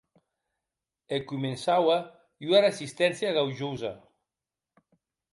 E començaue ua resisténcia gaujosa.